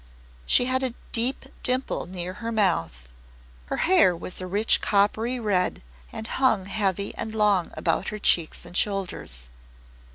She had a deep dimple near her mouth. Her hair was a rich coppery red and hung heavy and long about her cheeks and shoulders.